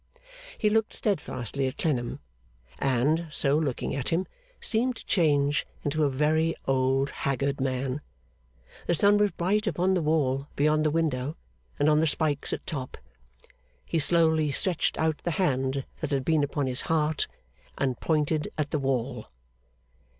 He looked steadfastly at Clennam, and, so looking at him, seemed to change into a very old haggard man. The sun was bright upon the wall beyond the window, and on the spikes at top. He slowly stretched out the hand that had been upon his heart, and pointed at the wall.